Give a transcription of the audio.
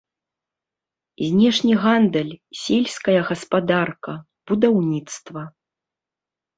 Знешні гандаль, сельская гаспадарка, будаўніцтва.